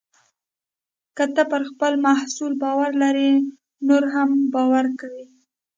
که ته پر خپل محصول باور لرې، نور هم باور کوي.